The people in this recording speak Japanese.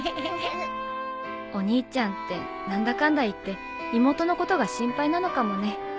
お兄ちゃんって何だかんだいって妹のことが心配なのかもね。